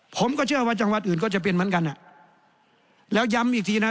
ผมก็เชื่อว่าจังหวัดอื่นก็จะเป็นเหมือนกันอ่ะแล้วย้ำอีกทีนะ